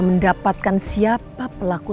mendapatkan siapa pelaku